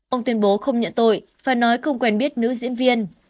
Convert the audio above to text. ông tuyên bố không nhận tội và nói không quen biết nữ diễn viên